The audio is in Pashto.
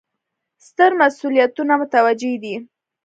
ستر مسوولیتونه متوجه دي.